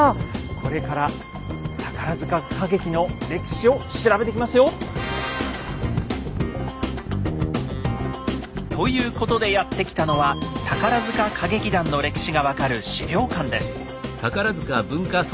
これから宝歌劇の歴史を調べてきますよ！ということでやって来たのは宝歌劇団の歴史が分かる資料館です。